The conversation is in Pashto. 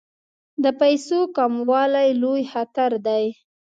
د پیسو کموالی لوی خطر دی.